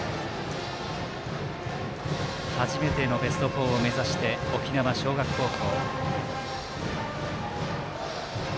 初めてのベスト４を目指して沖縄尚学高校。